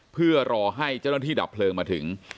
เพื่อรอให้เจ้าหน้าที่ดับเพลิงมาถึง